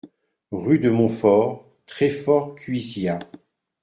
Rue de Montfort, Treffort-Cuisiat